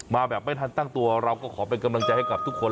มาแบบไม่ทันตั้งตัวเราก็ขอเป็นกำลังใจให้กับทุกคน